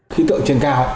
khi cậu trên cao